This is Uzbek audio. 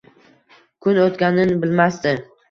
Kun o’tganin bilmasdi.